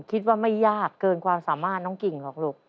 คิดว่าไม่ยากเกินความสามารถน้องกิ่งหรอกลูก